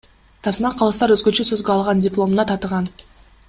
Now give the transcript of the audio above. Тасма Калыстар өзгөчө сөзгө алган дипломуна татыган.